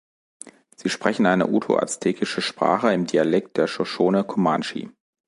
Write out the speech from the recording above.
Sie sprechen eine uto-aztekische Sprache im Dialekt der Shoshone-Comanche.